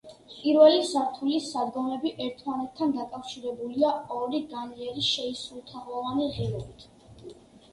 პირველი სართულის სადგომები ერთმანეთთან დაკავშირებულია ორი, განიერი, შეისრულთაღოვანი ღიობით.